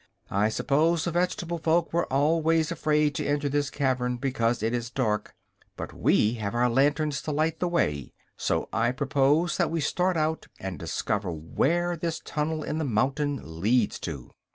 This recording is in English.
I suppose the vegetable folk were always afraid to enter this cavern because it is dark; but we have our lanterns to light the way, so I propose that we start out and discover where this tunnel in the mountain leads to."